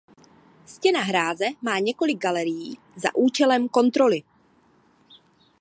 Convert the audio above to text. Stěna hráze má několik galerií za účelem kontroly.